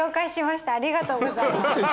ありがとうございます。